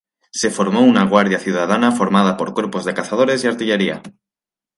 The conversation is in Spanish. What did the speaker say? Se formó una guardia ciudadana formada por cuerpos de cazadores y artillería.